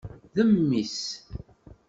D mmi-s.